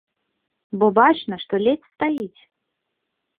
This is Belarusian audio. Бо бачна, што ледзь стаіць.